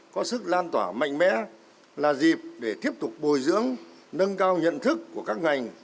có sức lan tỏa mạnh mẽ là dịp để tiếp tục bồi dưỡng nâng cao nhận thức của các ngành